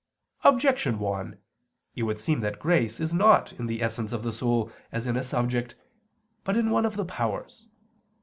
Objection 1: It would seem that grace is not in the essence of the soul, as in a subject, but in one of the powers.